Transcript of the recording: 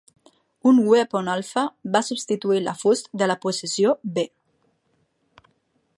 Un Weapon Alpha va substituir l'afust de la posició B.